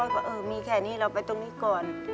ก็เออมีแค่นี้เราไปตรงนี้ก่อน